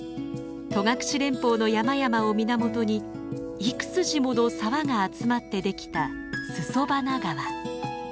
戸隠連峰の山々を源に幾筋もの沢が集まってできた裾花川。